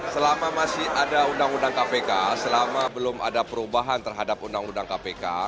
selama masih ada undang undang kpk selama belum ada perubahan terhadap undang undang kpk